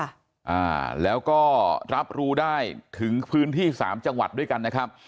อ่าแล้วก็รับรู้ได้ถึงพื้นที่สามจังหวัดด้วยกันนะครับ